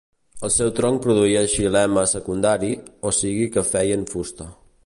El seu tronc produïa xilema secundari, o sigui que feien fusta.